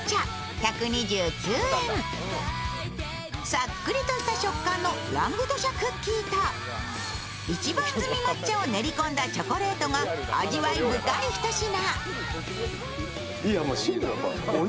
さっくりとした食感のラングドシャクッキーと一番摘み抹茶を練り込んだチョコレートが味わい深いひと品。